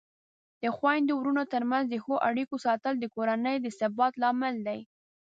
د خویندو ورونو ترمنځ د ښو اړیکو ساتل د کورنۍ د ثبات لامل دی.